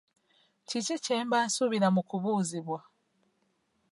Kiki kye mba nsuubira mu kubuuzibwa?